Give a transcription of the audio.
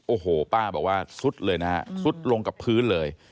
โอ้โหป้าบอกว่าซุดเลยนะฮะซุดลงกับพื้นเลย